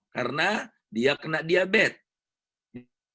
karena dia kena diabetes